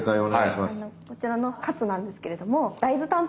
こちらのカツなんですけれども。